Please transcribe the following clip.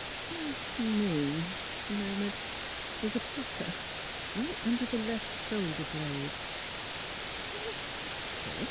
*' Seems t' me," she murmured, ^' the's a pucker, right under the left shoulder blade."